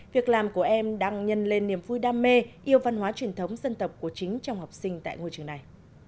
việc làm của em đang nhân lên niềm vui đam mê yêu văn hóa truyền thống dân tộc của chính trong học sinh tại ngôi trường này